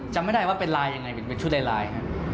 จำไม่ได้ว่าเป็นลายยังไงเป็นชุดลาย